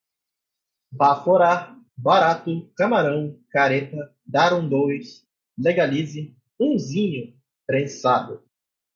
baforar, barato, camarão, careta, dar um dois, legalize, unzinho, prensado